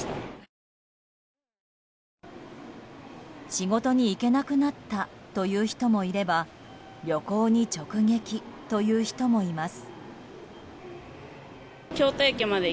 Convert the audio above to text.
仕事に行けなくなったという人もいれば旅行に直撃という人もいます。